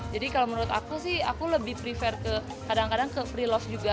jadi kalau menurut aku sih aku lebih prefer ke kadang kadang ke prelove juga